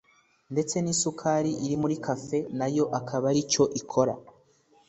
ndetse n’isukari iri muri cake nayo akaba ari cyo ikora